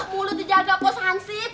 mulut dijaga pos hansip